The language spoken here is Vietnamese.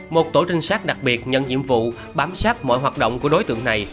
một tổ trinh sát đặc biệt nhận nhiệm vụ bám sát mọi hoạt động của đối tượng này